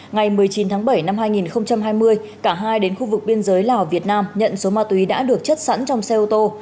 ngày một mươi chín tháng bảy năm hai nghìn hai mươi cả hai đến khu vực biên giới lào việt nam nhận số ma túy đã được chất sẵn trong xe ô tô